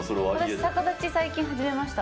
私、逆立ち、最近、始めました。